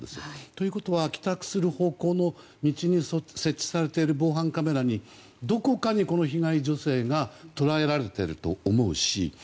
ということは、帰宅する方向の道に設置されている防犯カメラのどこかにこの被害女性が捉えられていると思うし。